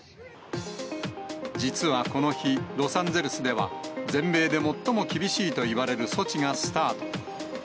実はこの日、ロサンゼルスでは全米で最も厳しいといわれる措置がスタート。